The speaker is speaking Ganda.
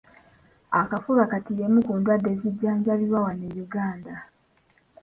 Akafuba kati y’emu ku ndwadde ezijjanjabwa wano e Uganda.